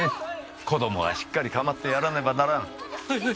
子供はしっかり構ってやらねばならん。